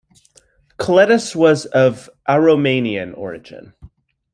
Kolettis was of Aromanian origin.